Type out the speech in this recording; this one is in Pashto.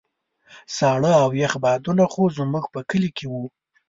ساړه او يخ بادونه خو زموږ په کلي کې وو.